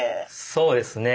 そうですね。